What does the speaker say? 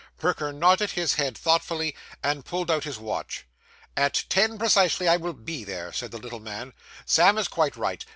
Perker nodded his head thoughtfully, and pulled out his watch. 'At ten precisely, I will be there,' said the little man. 'Sam is quite right.